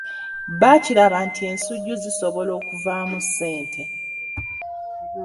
Baakiraba nti ensujju zisobola okuvaamu ssente.